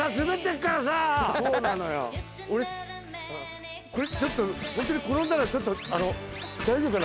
俺ちょっとホントに転んだら大丈夫かな？